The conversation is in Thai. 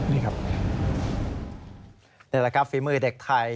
นี่แหละครับฝีมือเด็กไทย